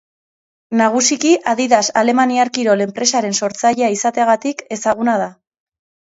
Nagusiki Adidas alemaniar kirol enpresaren sortzailea izateagatik ezaguna da.